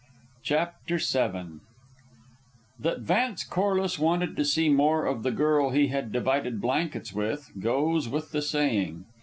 CHAPTER VII That Vance Corliss wanted to see more of the girl he had divided blankets with, goes with the saying.